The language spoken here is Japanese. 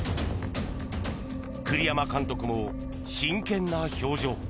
栗山監督も真剣な表情。